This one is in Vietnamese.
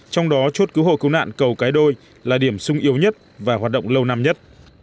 trong đó chốt cứu hộ cứu nạn cầu cái đôi là điểm sung yếu nhất và hoạt động lâu năm nhất